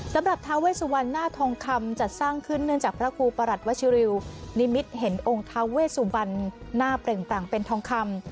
ทาเวสุวรรณหน้าทองคำจัดสร้างขึ้นเนื่องจากพระครูประหลัดวชิริวนิมิตเห็นองค์ท้าเวสุบันหน้าเปล่งต่างเป็นทองคำ